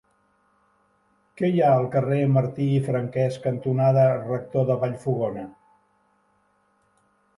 Què hi ha al carrer Martí i Franquès cantonada Rector de Vallfogona?